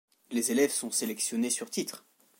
Les élèves sont sélectionnés sur titre.